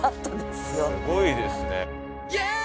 すごいですね。